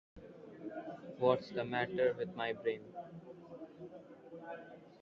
What's the matter with my brain?